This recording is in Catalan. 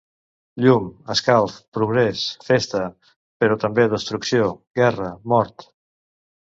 Llum, escalf, progrés, festa... però també destrucció, guerra, mort.